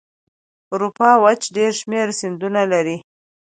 د اروپا وچه ډېر شمیر سیندونه لري.